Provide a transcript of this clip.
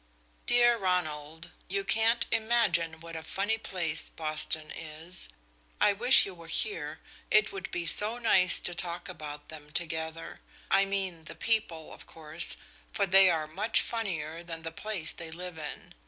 "Dear Ronald, You can't imagine what a funny place Boston is. I wish you were here, it would be so nice to talk about them together I mean the people, of course, for they are much funnier than the place they live in.